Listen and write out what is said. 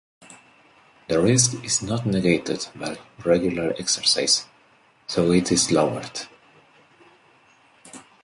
The risk is not negated by regular exercise, though it is lowered.